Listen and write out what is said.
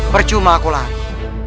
percuma aku lari